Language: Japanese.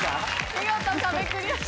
見事壁クリアです。